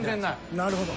なるほど。